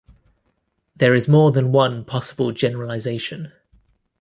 There is more than one possible generalization.